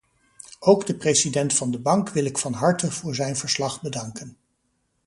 Ook de president van de bank wil ik van harte voor zijn verslag bedanken.